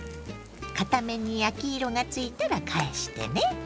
片面に焼き色がついたら返してね。